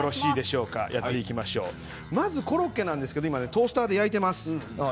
コロッケなんですが今、トースターで焼いています。